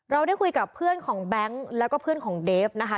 เราได้คุยกับเพื่อนของแบงค์แล้วก็เพื่อนของเดฟนะคะ